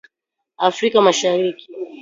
Afrika Mashariki.